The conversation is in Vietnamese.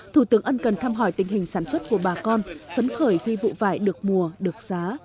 thủ tướng ân cần thăm hỏi tình hình sản xuất của bà con phấn khởi khi vụ vải được mùa được giá